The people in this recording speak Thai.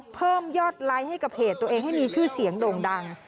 เพิ่มยอดไลค์ให้กับเพจตัวเองให้มีชื่อเสียงโด่งดัง